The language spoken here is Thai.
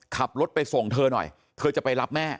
ขับรถไปส่งเธอหน่อยเธอจะไปรับแม่